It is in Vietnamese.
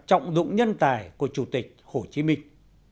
trọng dụng nhân tài của chủ tịch hồ chí minh